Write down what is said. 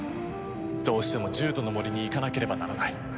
どうしても獣人の森に行かなければならない。